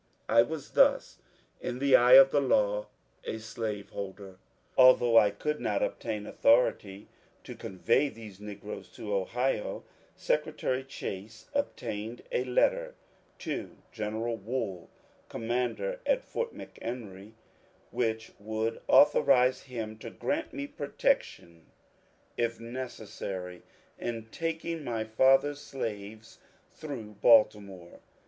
I was thus, in the eye of the law, a slaveholder! Although I could not obtain authority to convey these negroes to Ohio, Secretary Chase obtained a letter to General Wool, commander at Fort McHenry, which would authorize him to grant me protection if necessary in taking ^^my father's slaves *' through Baltimore.